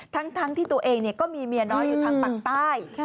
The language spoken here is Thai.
ทั้งที่ตัวเองก็มีเมียน้อยอยู่ทางปากใต้